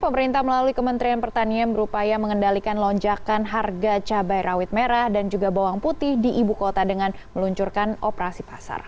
pemerintah melalui kementerian pertanian berupaya mengendalikan lonjakan harga cabai rawit merah dan juga bawang putih di ibu kota dengan meluncurkan operasi pasar